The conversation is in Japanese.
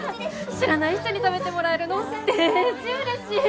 知らない人に食べてもらえるのでーじうれしい。